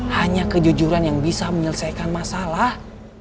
hanya kejujuran yang bisa menyelesaikan masalah